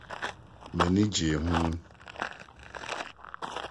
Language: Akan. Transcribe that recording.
M’ani gyee ho.